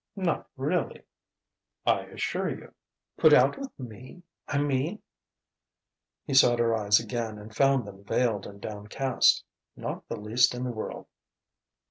"Not really?" "I assure you " "Put out with me, I mean?" He sought her eyes again and found them veiled and downcast. "Not the least in the world."